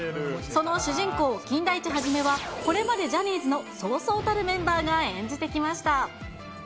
その主人公、金田一一は、これまでジャニーズのそうそうたるメンバーが演じてきました。